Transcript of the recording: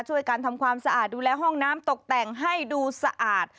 ช่วยกันทำความสะอาดดูแลห้องน้ำตกแต่งให้ดูสะอาด